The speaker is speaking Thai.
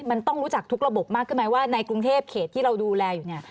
มันต้องรู้จักทุกระบบมากขึ้นไหมว่าในกรุงเทพเขตที่เราดูแลอยู่เนี่ย